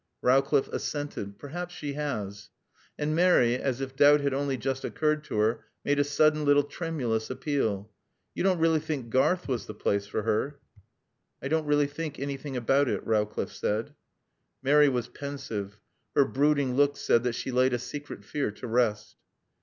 Rowcliffe assented. "Perhaps she has." And Mary, as if doubt had only just occurred to her, made a sudden little tremulous appeal. "You don't really think Garth was the place for her?" "I don't really think anything about it," Rowcliffe said. Mary was pensive. Her brooding look said that she laid a secret fear to rest.